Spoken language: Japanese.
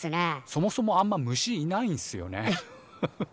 そもそもあんま虫いないんすよね。